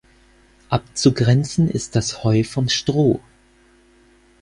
Abzugrenzen ist das Heu vom Stroh.